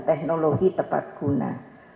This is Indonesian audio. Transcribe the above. teknologi tepat guna